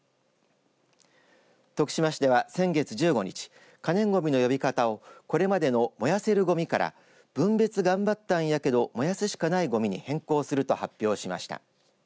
徳島市では先月１５日可燃ごみの呼び方をこれまでの燃やせるごみから分別頑張ったんやけど、燃やすしかないごみに変更すると発表しました。